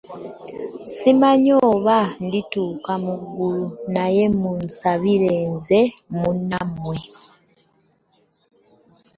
Ssimanyi oba ndituuka mu ggulu, naye munsabireko nze munnammwe.